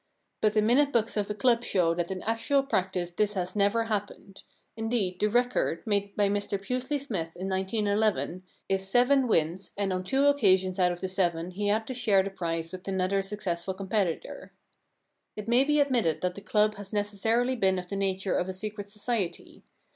But the minute books of the club show that in actual practice this has never happened ; indeed, the record, made by Mr Pusely Smythe in 191 1, is seven wins, and on two occasions out of the seven he had to share the prize with another suc cessful competitor. It may be admitted that the club has necessarily been of the nature of a secret society.